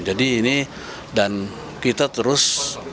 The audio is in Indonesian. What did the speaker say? jadi ini dan kita terus